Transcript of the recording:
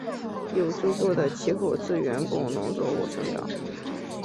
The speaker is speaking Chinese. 有足够的气候资源供农作物生长。